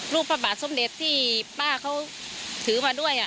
พระบาทสมเด็จที่ป้าเขาถือมาด้วย